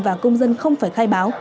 và công dân không phải khai báo